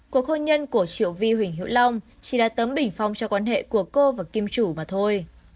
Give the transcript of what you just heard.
cuộc hôn nhân của triệu vi huỳnh hữu long chỉ là tấm bình phong cho quan hệ của cô và kim chủ mà thôi